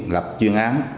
lập chuyên án